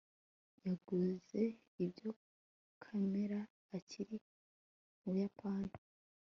Yaguze iyo kamera akiri mu Buyapani